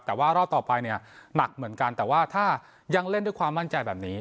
แต่ว่ารอบต่อไปเนี่ยหนักเหมือนกันแต่ว่าถ้ายังเล่นด้วยความมั่นใจแบบนี้